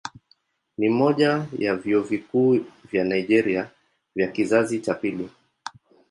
Ni mmoja ya vyuo vikuu vya Nigeria vya kizazi cha pili.